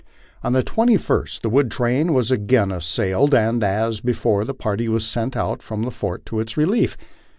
On the 21st the wood train was again assailed, and, as before, a party was sent out from the fort to its relief.